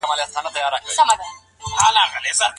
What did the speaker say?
د ماشومانو سالمه روزنه د چا مسؤليت دی؟